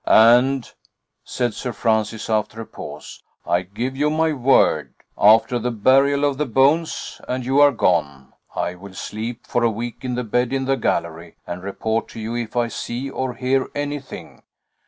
"And " said Sir Francis, after a pause, "I give you my word. After the burial of the bones, and you are gone, I will sleep for a week in the bed in the gallery, and report to you if I see or hear anything.